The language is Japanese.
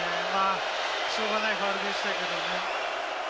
しょうがないファウルでしたけど。